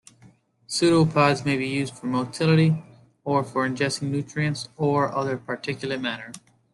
Pseudopods may be used for motility, or for ingesting nutrients or other particulate matter.